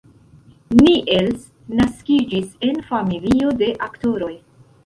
Niels naskiĝis en familio de aktoroj.